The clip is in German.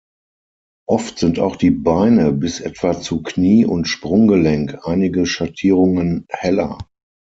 Oft sind auch die Beine bis etwa zu Knie- und Sprunggelenk einige Schattierungen heller.